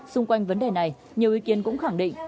xung quanh vấn đề này nhiều ý kiến cũng khẳng định